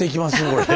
これ。